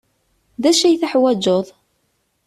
D acu ay teḥwajeḍ?